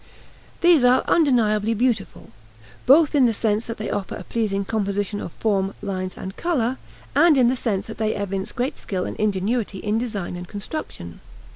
These are undeniably beautiful, both in the sense that they offer a pleasing composition of form, lines, and color, and in the sense that they evince great skill and ingenuity in design and construction.